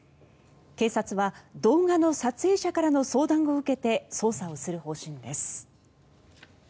警察は動画の撮影者からの相談を受けて捜査をする方針です。